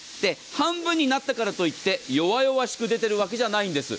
半分になったからといって弱々しく出ているわけじゃないんです。